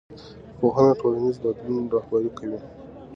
پوهنه ټولنیز بدلون رهبري کوي